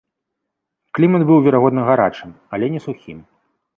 Клімат быў, верагодна, гарачым, але не сухім.